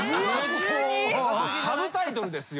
サブタイトルですよ。